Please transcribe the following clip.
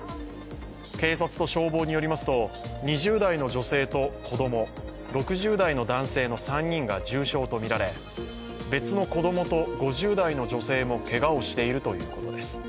警察と消防によりますと、２０代の女性と子ども、６０代の男性の３人が重傷とみられ別の子供と５０代の女性もけがをしているということです。